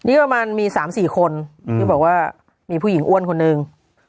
นี่ประมาณมี๓๔คนที่บอกว่ามีผู้หญิงอ้วนคนหนึ่ง